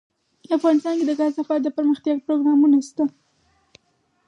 افغانستان کې د ګاز لپاره دپرمختیا پروګرامونه شته.